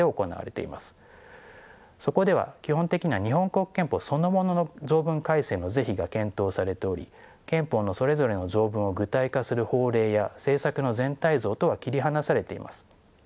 そこでは基本的には日本国憲法そのものの条文改正の是非が検討されており憲法のそれぞれの条文を具体化する法令や政策の全体像とは切り離されています。